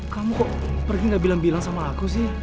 kamu kok pergi gak bilang bilang sama aku sih